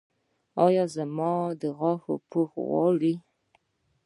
ایا زما غاښ پوښ غواړي؟